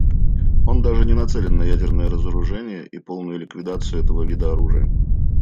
Он даже не нацелен на ядерное разоружение и полную ликвидацию этого вида оружия.